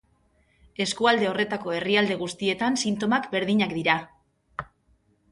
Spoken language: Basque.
Eskualde horretako herrialde guztietan sintomak berdinak dira.